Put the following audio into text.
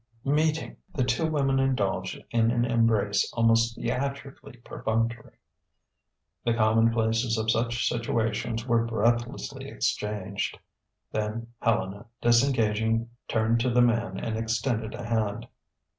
Meeting, the two women indulged in an embrace almost theatrically perfunctory. The commonplaces of such situations were breathlessly exchanged. Then Helena, disengaging turned to the man and extended a hand.